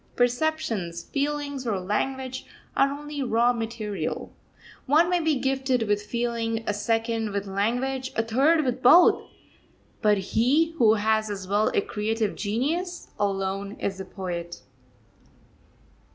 Perceptions, feelings, or language, are only raw material. One may be gifted with feeling, a second with language, a third with both; but he who has as well a creative genius, alone is a poet.